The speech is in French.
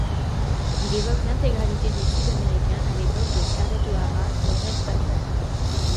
Il évoque l'intégralité du sud américain à l'époque de Scarlett O'Hara et Rhett Butler.